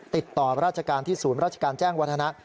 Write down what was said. ติดต่อราชการที่ศูนย์ราชการแจ้งวัฒนะ